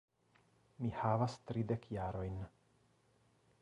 Mi havas tridek jarojn.